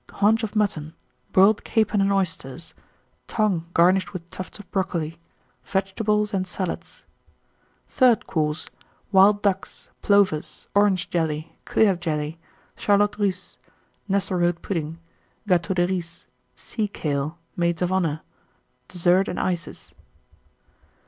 Haunch of Mutton. Boiled Capon and Oysters. Tongue, garnished with tufts of Brocoli. Vegetables and Salads. THIRD COURSE. Wild Ducks. Plovers. Orange Jelly. Clear Jelly. Charlotte Russe. Nesselrode Pudding. Gâteau de Riz. Sea kale. Maids of Honour. DESSERT AND ICES.